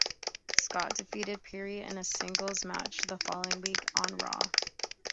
Scott defeated Pierre in a singles match the following week on "Raw".